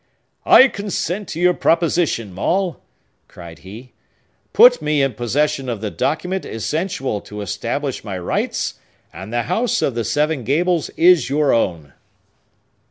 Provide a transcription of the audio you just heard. "I consent to your proposition, Maule!" cried he. "Put me in possession of the document essential to establish my rights, and the House of the Seven Gables is your own!"